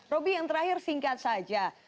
roby yang terakhir singkat saja